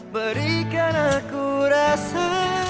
berikan aku rasa